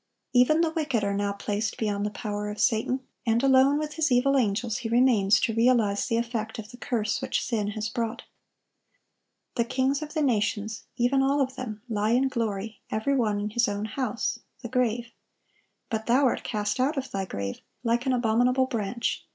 Even the wicked are now placed beyond the power of Satan; and alone with his evil angels he remains to realize the effect of the curse which sin has brought. "The kings of the nations, even all of them, lie in glory, every one in his own house [the grave]. But thou art cast out of thy grave like an abominable branch....